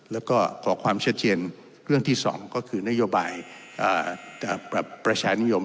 แล้วก็ขอความชัดเจนเรื่องที่๒ก็คือนโยบายปรับประชานิยม